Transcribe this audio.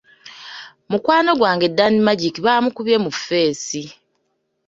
Mukwano gwange Dan Magic bamukubye mu ffeesi!